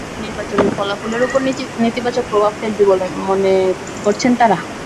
এটা নির্বাচনের ফলাফলের ওপর নেতিবাচক প্রভাব ফেলবে বলে মনে করছেন তাঁরা।